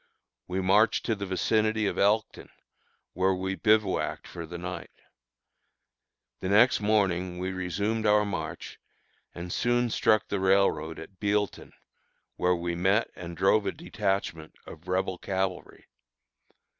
We marched to the vicinity of Elkton, where we bivouacked for the night. The next morning we resumed our march, and soon struck the railroad at Bealeton, where we met and drove a detachment of Rebel cavalry.